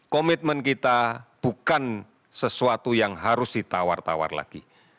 komitmen kita bukan sesuatu yang harus ditawar tawar lagi